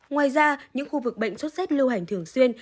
ngoài ra những khu vực bệnh sốt xét lưu hành thường xuyên